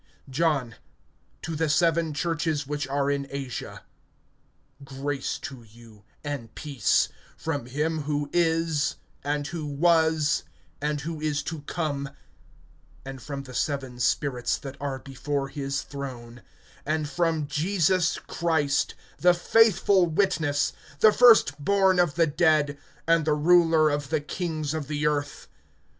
(4)John to the seven churches which are in Asia: Grace to you, and peace, from him who is, and who was, and who is to come; and from the seven spirits that are before his throne; (5)and from Jesus Christ, the faithful witness, the first born of the dead, and the Ruler of the kings of the earth.